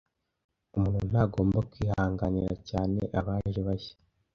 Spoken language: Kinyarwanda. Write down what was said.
Umuntu ntagomba kwihanganira cyane abaje bashya,